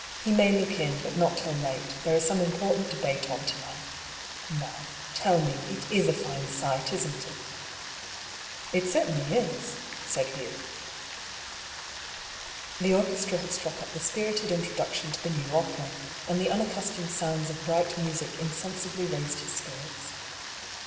He may look in, but not till late ; there is some important debate on to night Now, tell me, it is a fine sight, isn't it ?"" It certainly is," said Hugh. The orchestra had struck up the spirited introduc tion to the new opera, and the unaccustomed sounds of bright music insensibly raised his spirits.